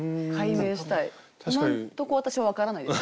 今んとこ私分からないです。